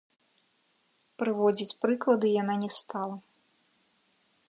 Прыводзіць прыклады яна не стала.